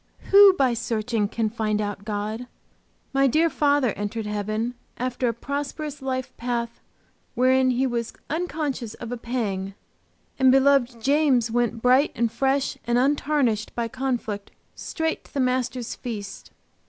Who by searching can find out God? My dear father entered heaven after a prosperous life path wherein he was unconscious of a pang, and beloved James went bright and fresh and untarnished by conflict straight to the Master's feast.